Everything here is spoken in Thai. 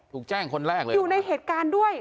อยู่ในเหตุการณ์ด้วย